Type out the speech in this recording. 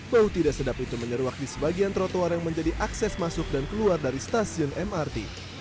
bau tidak sedap itu menyeruak di sebagian trotoar yang menjadi akses masuk dan keluar dari stasiun mrt